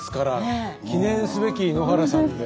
記念すべき井ノ原さんで。